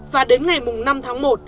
và đến ngày năm tháng một